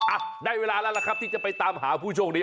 อ่ะได้เวลาแล้วล่ะครับที่จะไปตามหาผู้โชคดี